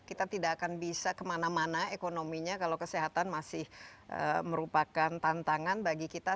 kita tidak akan bisa kemana mana ekonominya kalau kesehatan masih merupakan tantangan bagi kita